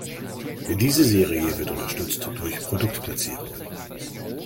Diese Serie wird unterstützt durch Produktplatzierungen.